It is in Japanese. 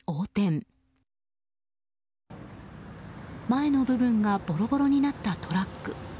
前の部分がボロボロになったトラック。